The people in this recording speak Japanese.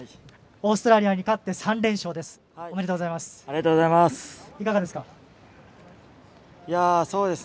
オーストラリアに勝って３連勝です。